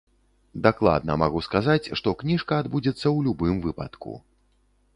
Дакладна магу сказаць, што кніжка адбудзецца ў любым выпадку.